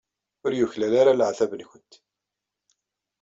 Ur yuklal ara leɛtab-nwent.